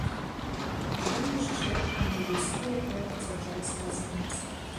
Дадам яшчэ адну рыску, якая пацвярджае сказанае.